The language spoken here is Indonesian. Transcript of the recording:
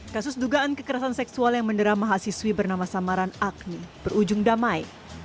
kasus dugaan kekerasan seksual yang mendera mahasiswi bernama samaran agni berujung damai